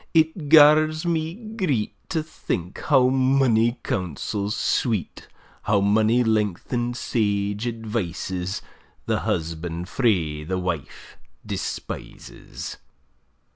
it gars me greet, To think how mony counsels sweet, How mony lengthen'd sage advices, The husband frae the wife despises!